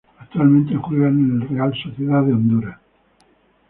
Actualmente juega en el Real Sociedad de Honduras.